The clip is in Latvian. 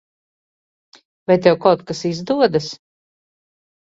Vai tev kaut kas izdodas?